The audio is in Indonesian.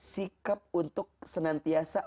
sikap untuk senantiasa